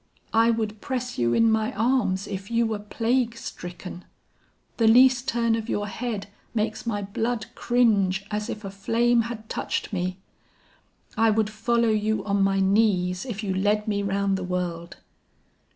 I would press you in my arms if you were plague stricken! The least turn of your head makes my blood cringe, as if a flame had touched me. I would follow you on my knees, if you led me round the world.